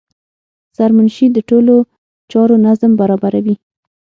سرمنشي د ټولو چارو نظم برابروي.